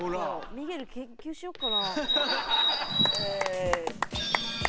ミゲル研究しよっかなあ。